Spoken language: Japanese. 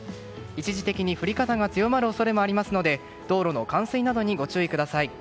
一時的に降り方が強まる恐れもありますので道路の冠水などにご注意ください。